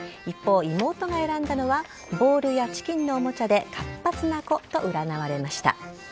一方、妹が選んだのはボールやチキンのおもちゃで活発な子と占われました。